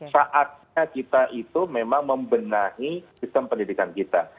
saatnya kita itu memang membenahi sistem pendidikan kita